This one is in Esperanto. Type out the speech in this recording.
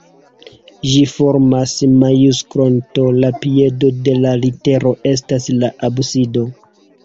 Ĝi formas majusklon T, la piedo de la litero estas la absido.